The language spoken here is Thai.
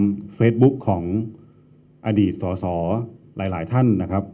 เฟซบุ๊กของอดีตสอสอหลายท่านนะครับ